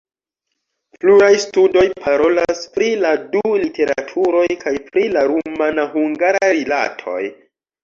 Pluraj studoj parolas pri la du literaturoj kaj pri la rumana-hungara rilatoj.